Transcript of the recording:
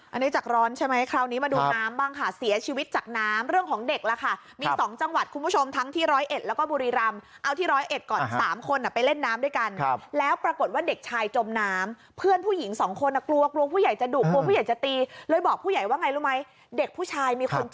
อันนี้จากร้อนใช่ไหมคราวนี้มาดูน้ำบ้างค่ะเสียชีวิตจากน้ำเรื่องของเด็กล่ะค่ะมี๒จังหวัดคุณผู้ชมทั้งที่ร้อยเอ็ดแล้วก็บุรีรำเอาที่ร้อยเอ็ดก่อน๓คนไปเล่นน้ำด้วยกันแล้วปรากฏว่าเด็กชายจมน้ำเพื่อนผู้หญิงสองคนกลัวกลัวผู้ใหญ่จะดุกลัวผู้ใหญ่จะตีเลยบอกผู้ใหญ่ว่าไงรู้ไหมเด็กผู้ชายมีคนก